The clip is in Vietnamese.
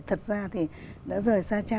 thật ra thì đã rời xa cha